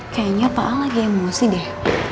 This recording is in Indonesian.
kayaknya pao lagi emosi deh